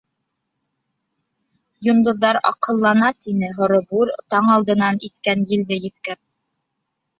— Йондоҙҙар аҡһыллана, — тине һорбүре таң алдынан иҫкән елде еҫкәп.